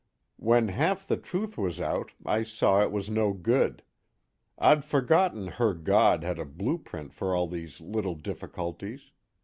When half the truth was out I saw it was no good. I'd forgotten her God had a blueprint for all these little difficulties.